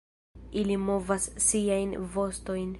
Ili movas siajn vostojn.